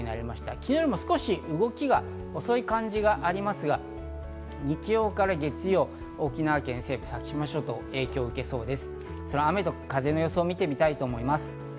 昨日よりも少し動きが遅い感じがありますが、日曜から月曜、沖縄県西部先島諸島、影響を受けそうです。